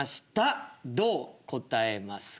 どう答えますか？という。